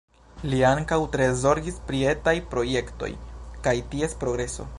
Li ankaŭ tre zorgis pri etaj projektoj kaj ties progreso.